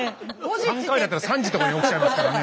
３回だったら３時とかに起きちゃいますからね。